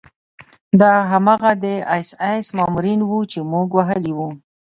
دا هماغه د اېس ایس مامورین وو چې موږ وهلي وو